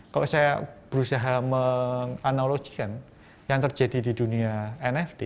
kalau saya berusaha menganalogikan yang terjadi di dunia nft